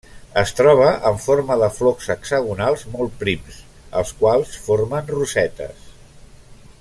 Es troba en forma de flocs hexagonals molt prims, els quals formen rosetes.